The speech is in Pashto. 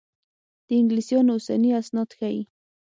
د انګلیسیانو اوسني اسناد ښيي.